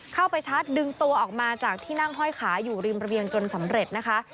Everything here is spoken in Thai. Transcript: เข้าไปชาร์จดึงตัวออกมาจากที่นั่งห้อยขาอยู่ริมระเบียงจนสำเร็จนะคะ